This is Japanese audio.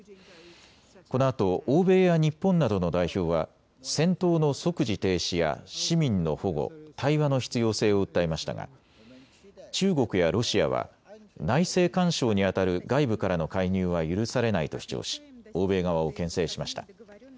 このあと欧米や日本などの代表は戦闘の即時停止や市民の保護、対話の必要性を訴えましたが中国やロシアは内政干渉にあたる外部からの介入は許されないと主張し、欧米側をけん制しました。